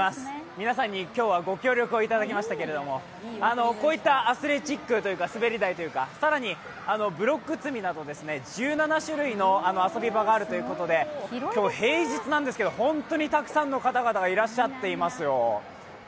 皆さんに今日はご協力をいただきましたけれどもこういったアスレチックというか滑り台というか更にブロック積みなど１７種類の遊び場があるということで、今日、平日なんですけど本当にたくさんの方々がいらっしゃってますよ。